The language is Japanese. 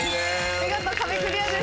見事壁クリアです。